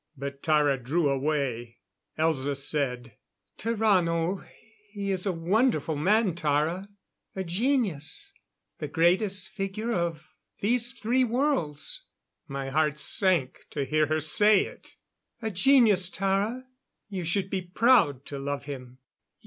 But Tara drew away. Elza said: "Tarrano he is a wonderful man, Tara. A genius the greatest figure of these three worlds...." My heart sank to hear her say it! "... a genius, Tara. You should be proud to love him...."